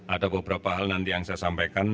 ada beberapa hal nanti yang saya sampaikan